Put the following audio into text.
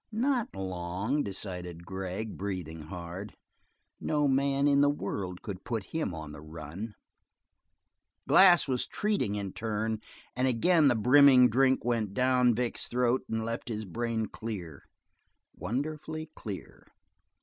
Not long, decided Gregg, breathing hard; no man in the world could put him on the run. Glass was treating in turn, and again the brimming drink went down Vic's throat and left his brain clear, wonderfully clear.